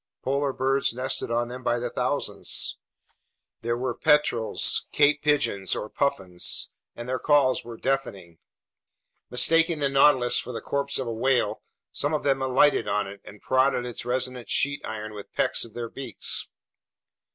Polar birds nested on them by the thousands. These were petrels, cape pigeons, or puffins, and their calls were deafening. Mistaking the Nautilus for the corpse of a whale, some of them alighted on it and prodded its resonant sheet iron with pecks of their beaks.